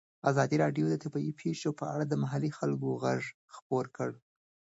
ازادي راډیو د طبیعي پېښې په اړه د محلي خلکو غږ خپور کړی.